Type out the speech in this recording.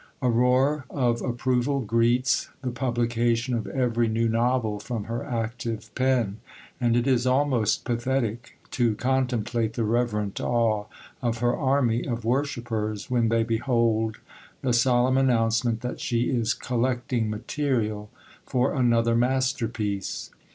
A roar of approval greets the publication of every new novel from her active pen, and it is almost pathetic to contemplate the reverent awe of her army of worshippers when they behold the solemn announcement that she is "collecting material" for another masterpiece.